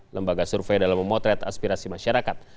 lembaga survei dalam memotret aspirasi masyarakat